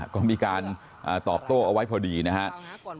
ก็มีการตอบโต้เอาไว้พอดีนะครับ